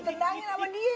nah yang ini tangannya